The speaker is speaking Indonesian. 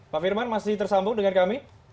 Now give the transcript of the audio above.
pak firman masih tersambung dengan kami